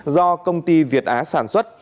do công ty việt á sản xuất